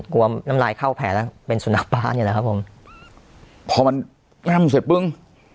น้ำลายเข้าแผลแล้วเป็นสุนัขบ้านี่แหละครับผมพอมันล้ำเสร็จปึ้ง